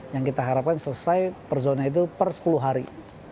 yang kita harapkan selesai per zona itu per sepuluh hari